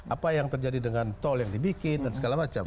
apa yang terjadi dengan tol yang dibikin dan segala macam